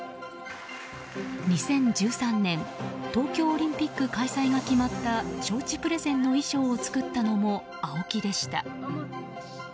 ２０１３年東京オリンピック開催が決まった招致プレゼンの衣装を作ったのもＡＯＫＩでした。